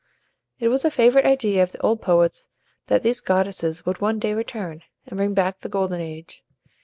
It was a favorite idea of the old poets that these goddesses would one day return, and bring back the Golden Age.